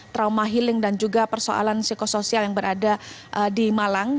terima kasih mbak rima